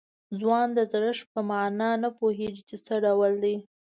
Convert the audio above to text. ځوان د زړښت په معنا نه پوهېږي چې څه ډول ده.